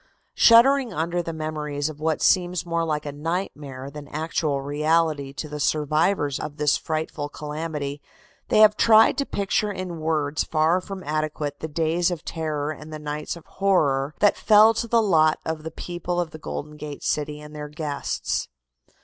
Shuddering under the memories of what seems more like a nightmare than actual reality to the survivors of this frightful calamity, they have tried to picture in words far from adequate the days of terror and the nights of horror that fell to the lot of the people of the Golden Gate city and their guests.